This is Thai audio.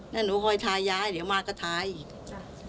นั่นหนูคอยทายายาเดี๋ยวมากก็ทายอีก